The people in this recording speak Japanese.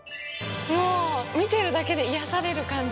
もうみてるだけでいやされるかんじが。